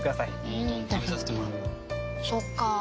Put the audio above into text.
そっかあ。